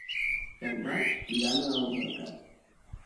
Pel maig, llana al mercat.